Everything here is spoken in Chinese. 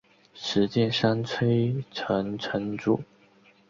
石见山吹城城主。